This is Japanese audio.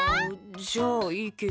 じゃあいいけど。